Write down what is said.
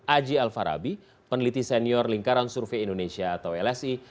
aji alfarabi peneliti senior lingkaran survei indonesia atau lsi